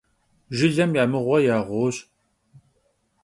Jjılem ya mığue ya ğuoş.